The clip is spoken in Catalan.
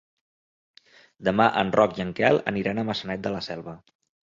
Demà en Roc i en Quel aniran a Maçanet de la Selva.